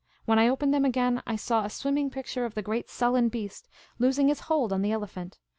When I opened them again, I saw a swim ming picture of the great sullen beast, loosing his hold on the elephant.